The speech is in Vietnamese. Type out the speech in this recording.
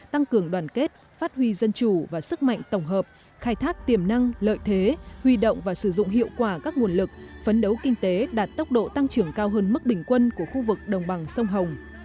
tăng cường đoàn kết phát huy dân chủ và sức mạnh tổng hợp khai thác tiềm năng lợi thế huy động và sử dụng hiệu quả các nguồn lực phấn đấu kinh tế đạt tốc độ tăng trưởng cao hơn mức bình quân của khu vực đồng bằng sông hồng